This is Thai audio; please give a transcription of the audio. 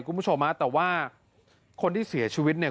คุณผู้ชมฮะแต่ว่าคนที่เสียชีวิตเนี่ย